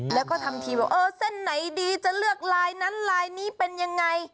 แล้วก็ทำทีว่าเออเส้นไหนดีจะเลือกลายนั้นลายนี้เป็นยังไง